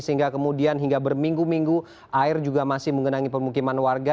sehingga kemudian hingga berminggu minggu air juga masih mengenangi pemukiman warga